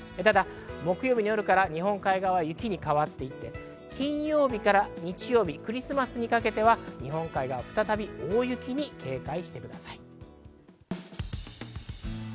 木曜日の夜から日本海側は雪に変わっていって、金曜日から日曜日クリスマスにかけては日本海側は再び大雪に警戒してください。